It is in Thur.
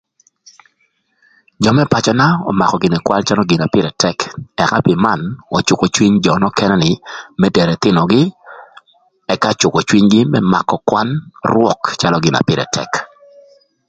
Jö më pacöna ömakö gïnï kwan na calö gin na pïrë tëk, ëka pï man öcükö cwïny jö nökënë nï më tero ëthïnögï ëka cükö cwinygï më makö kwan rwök, calö gin na pïrë tëk.